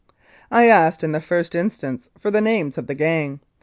I asked in the first instance for the names of the gang.